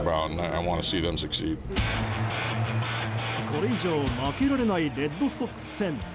これ以上負けられないレッドソックス戦。